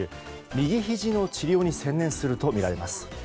右ひじの治療に専念するとみられます。